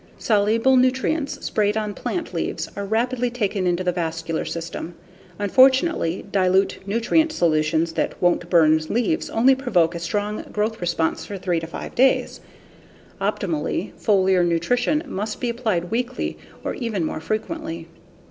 Soluble nutrients sprayed on plant leaves are rapidly taken into the vascular system. Unfortunately, dilute nutrient solutions that won't burn leaves only provoke a strong growth response for 3 to 5 days. Optimally, foliar nutrition must be applied weekly or even more frequently.